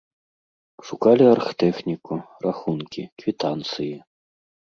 Шукалі аргтэхніку, рахункі, квітанцыі.